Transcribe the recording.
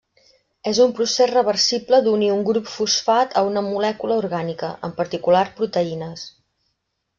És un procés reversible d'unir un grup fosfat a una molècula orgànica, en particular proteïnes.